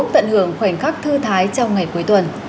tận hưởng khoảnh khắc thư thái trong ngày cuối tuần